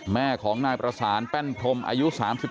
แม่ของนายประสานแป้นพรมอายุ๓๓